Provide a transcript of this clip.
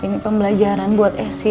ini pembelajaran buat esi